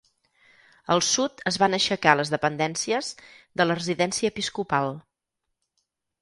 Al sud es van aixecar les dependències de la residència episcopal.